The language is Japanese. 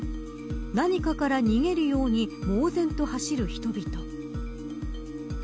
何かから逃げるように猛然と走る人々。